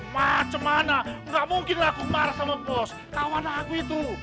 macem mana nggak mungkin aku marah sama bos tawan aku itu